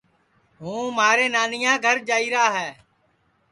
ہوں مھارے نانیا گھر جائیرا ہے